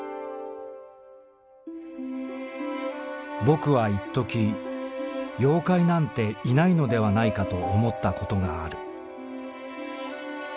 「ぼくは一時“妖怪”なんていないのではないかと思ったことがある」。